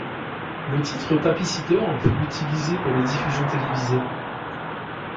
Le titre Papy-Sitter fut utilisé pour les diffusions télévisées.